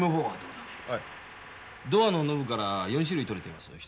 はいドアのノブから４種類とれています。